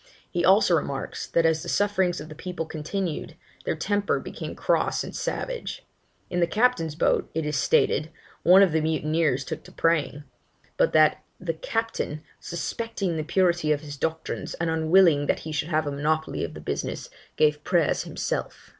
He also remarks, that as the sufferings of the people continued, their temper became cross and savage. In the captain's boat, it is stated, one of the mutineers took to praying; but that 'the captain, suspecting the purity of his doctrines, and unwilling that he should have a monopoly of the business, gave prayers himself.'